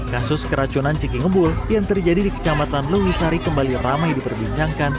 kasus keracunan ciki ngebul yang terjadi di kecamatan lewisari kembali ramai diperbincangkan